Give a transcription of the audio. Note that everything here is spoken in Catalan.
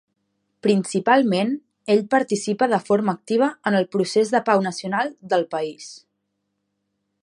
Principalment, ell participa de forma activa en el Procés de Pau Nacional del país.